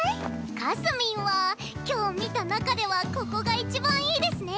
かすみんは今日見た中ではここが一番いいですね。